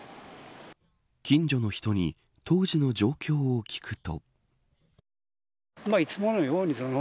近所の人に当時の状況を聞くと。